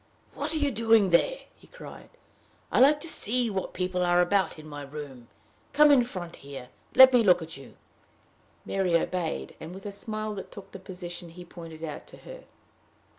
"What are you doing there?" he cried. "I like to see what people are about in my room. Come in front here, and let me look at you." Mary obeyed, and with a smile took the position he pointed out to her.